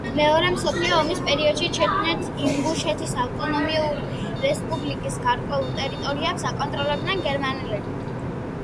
მეორე მსოფლიო ომის პერიოდში ჩეჩნეთ-ინგუშეთის ავტონომიური რესპუბლიკის გარკვეულ ტერიტორიებს აკონტროლებდნენ გერმანელები.